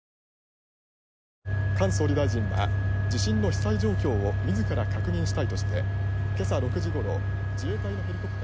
菅総理大臣は地震の被災状況を自ら確認したいとして今朝６時ごろ自衛隊のヘリコプターで。